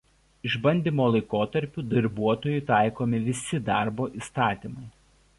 Išbandymo laikotarpiu darbuotojui taikomi visi darbo įstatymai.